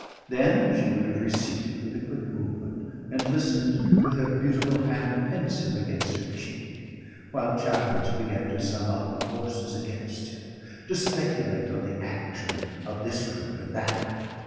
Then she would have receded with a quick movement and listened with her beautiful hand pensive against her cheek, while Chatteris began to sum up the forces against him to speculate on the action of this group and that.